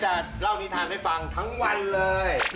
จะเล่านิทานให้ฟังทั้งวันเลย